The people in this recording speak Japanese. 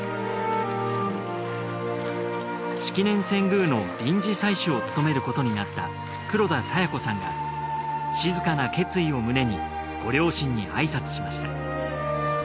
式年遷宮の臨時祭主を務めることになった黒田清子さんが静かな決意を胸にご両親に挨拶しました。